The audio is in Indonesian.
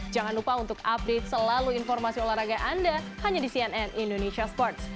jangan lupa untuk update selalu informasi olahraga anda hanya di cnn indonesia sports